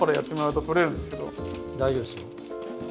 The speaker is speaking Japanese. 大丈夫ですよ。